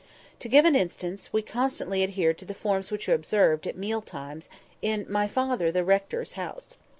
To give an instance: we constantly adhered to the forms which were observed, at meal times, in "my father, the rector's house."